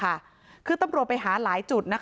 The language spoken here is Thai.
คืออันนี้ตำรวจไปหาหลายจุดนะคะ